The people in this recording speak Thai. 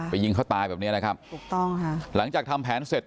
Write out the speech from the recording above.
ไปยิงเขาตายแบบนี้หลังจากทำแผนเสร็จ